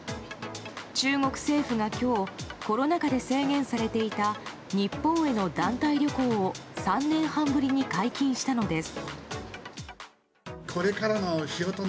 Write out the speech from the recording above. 中国政府が今日、コロナ禍で制限されていた日本への団体旅行を３年半ぶりに解禁したのです。